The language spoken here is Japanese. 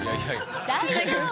大丈夫よ。